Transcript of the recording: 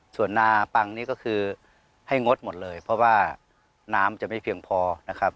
ส่วนนาปังนี่ก็คือให้งดหมดเลยเพราะว่าน้ำจะไม่เพียงพอนะครับ